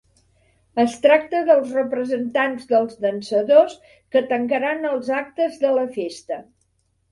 Es tracta dels representants dels dansadors que tancaran els actes de la festa.